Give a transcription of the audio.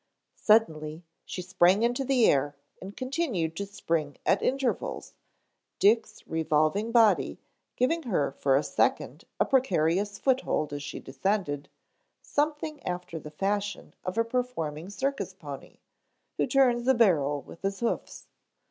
Suddenly she sprang into the air and continued to spring at intervals, Dick's revolving body giving her for a second a precarious foothold as she descended, something after the fashion of a performing circus pony who turns a barrel with his hoofs.